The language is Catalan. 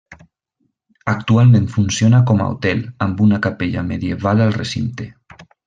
Actualment funciona com a hotel, amb una capella medieval al recinte.